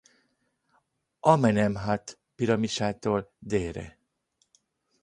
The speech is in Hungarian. Amenemhat piramisától délre.